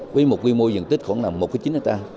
với một vi mô diện tích khoảng là một chín ha